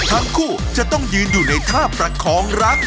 ทั้งคู่จะต้องยืนอยู่ในท่าประคองรัก